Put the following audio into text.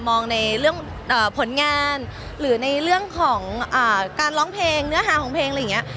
มองในเรื่องผลงานหรือในเรื่องของการร้องเพลงเนื้อหาของเพลงอะไรอย่างนี้